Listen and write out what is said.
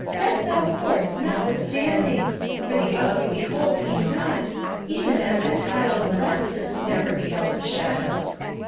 Step thou forth, notwithstanding! For the Ugly beholds he not, Even as his hallowed glances Never beheld the shadow.